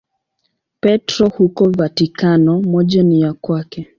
Petro huko Vatikano, moja ni ya kwake.